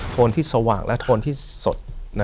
โทนที่สว่างและสอด